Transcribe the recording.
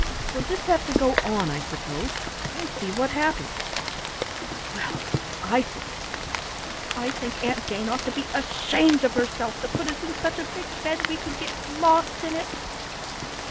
"We'll just have to go on, I suppose, and see what happens." "Well, I think I think Aunt Jane ought to be ashamed of herself to put us in such a big bed we could get lost in it!"